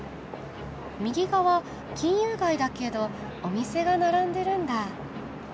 右側金融街だけどお店が並んでるんだ。